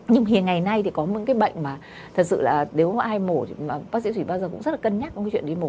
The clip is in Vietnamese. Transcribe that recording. nhưng thì ngày nay thì có một cái bệnh mà thật sự là nếu ai mổ thì bác sĩ sủy bao giờ cũng rất là cân nhắc về cái chuyện đi mổ